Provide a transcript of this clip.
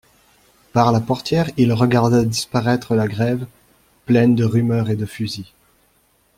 Par la portière il regarda disparaître la Grève, pleine de rumeurs et de fusils.